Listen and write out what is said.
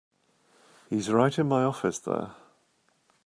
He's right in my office there.